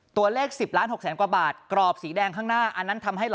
ตัวเลข๑๐ล้าน๖แสนกว่าบาทกรอบสีแดงข้างหน้า